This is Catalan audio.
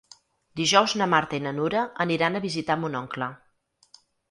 Dijous na Marta i na Nura aniran a visitar mon oncle.